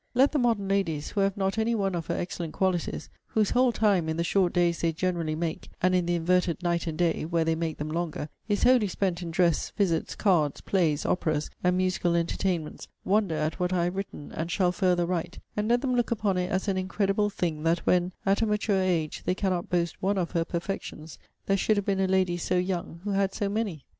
Let the modern ladies, who have not any one of her excellent qualities; whose whole time, in the short days they generally make, and in the inverted night and day, where they make them longer, is wholly spent in dress, visits, cards, plays, operas, and musical entertainments, wonder at what I have written, and shall further write; and let them look upon it as an incredible thing, that when, at a mature age, they cannot boast one of her perfections, there should have been a lady so young, who had so many.